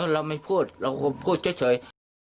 เราไม่พูดเราก็พูดเฉย